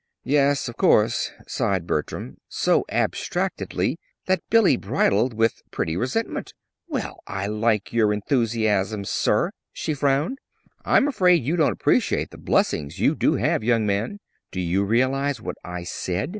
"Yes, of course," sighed Bertram, so abstractedly that Billy bridled with pretty resentment. "Well, I like your enthusiasm, sir," she frowned. "I'm afraid you don't appreciate the blessings you do have, young man! Did you realize what I said?